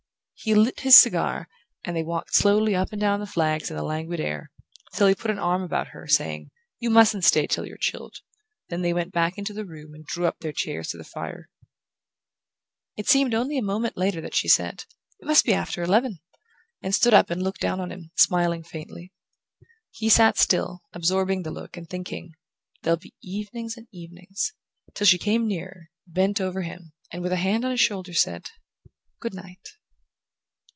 He lit his cigar, and they walked slowly up and down the flags in the languid air, till he put an arm about her, saying: "You mustn't stay till you're chilled"; then they went back into the room and drew up their chairs to the fire. It seemed only a moment later that she said: "It must be after eleven," and stood up and looked down on him, smiling faintly. He sat still, absorbing the look, and thinking: "There'll be evenings and evenings" till she came nearer, bent over him, and with a hand on his shoulder said: "Good night."